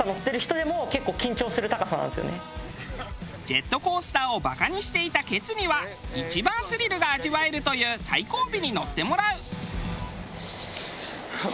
ジェットコースターをバカにしていたケツには一番スリルが味わえるという最後尾に乗ってもらう。